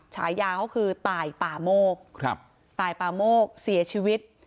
ฉายาเขาคือตายป่าโมกตายป่าโมกเสียชีวิต